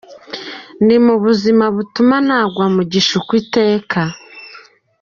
Ndi mu buzima butuma nagwa mu gishuko iteka.